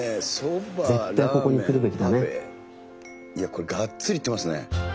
これがっつりいってますね。